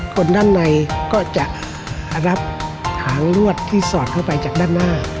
คนด้านในก็จะรับหางลวดที่สอดเข้าไปจากด้านหน้า